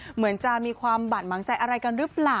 เหมือนจะมีความบาดหมางใจอะไรกันหรือเปล่า